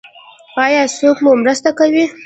ایا څوک مو مرسته کوي؟